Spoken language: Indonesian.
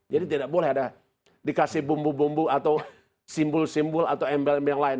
jadi tidak boleh ada dikasih bumbu bumbu atau simbol simbol atau label label yang lain